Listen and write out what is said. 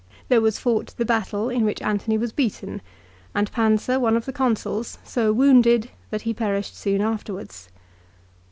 Then was fought the battle in which Antony was beaten, and Pansa, one of the Consuls, so wounded that he perished soon afterwards.